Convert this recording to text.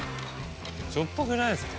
しょっぱくないですか？